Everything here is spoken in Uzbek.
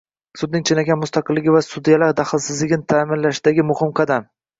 Sudning chinakam mustaqilligi va sudyalar daxlsizligini ta’minlashdagi muhim qadam